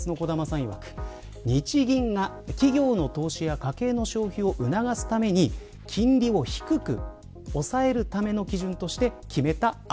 いわく日銀が企業の投資や家計の消費を促すために金利を低く抑えるための基準として決めた値。